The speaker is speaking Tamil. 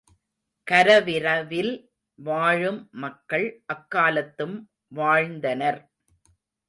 கரவிரவில் வாழும் மக்கள் அக்காலத்தும் வாழ்ந்தனர்.